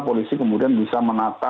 polisi kemudian bisa menata